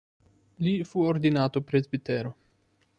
Lì fu ordinato presbitero.